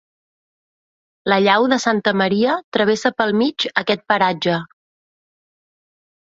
La llau de Santa Maria travessa pel mig aquest paratge.